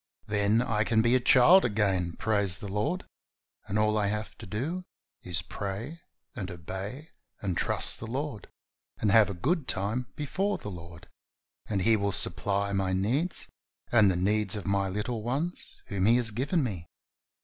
Then I can be a child again, bless the Lord! and all I have to do is to pray and obey and trust the Lord, and have a good time before the Lord, and He will supply my needs and the needs of my little ones whom He has given me.